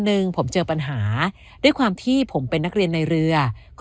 หนึ่งผมเจอปัญหาด้วยความที่ผมเป็นนักเรียนในเรือก็